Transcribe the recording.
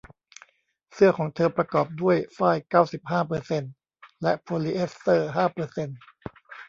เสื้อของเธอประกอบด้วยฝ้ายเก้าสิบห้าเปอร์เซ็นต์และโพลีเอสเตอร์ห้าเปอร์เซ็นต์